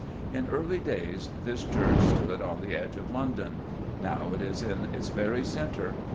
In early days this church stood on the edge of London; now it is in its very centre.